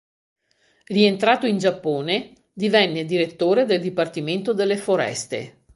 Rientrato in Giappone, divenne direttore del dipartimento delle foreste.